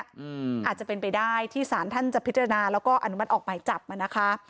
อาจจะเป็นไปได้ที่สารท่านจะพิจารณาแล้วก็อนุมัติออกหมายจับมานะคะ